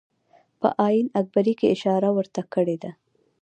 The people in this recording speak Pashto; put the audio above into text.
په آیین اکبري کې اشاره ورته کړې ده.